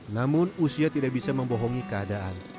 namun usia tidak bisa membohongi keadaan